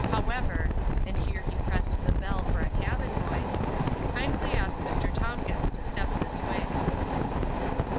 However"—and here he pressed the bell for a cabin boy—"kindly ask Mr. Tompkins to step this way."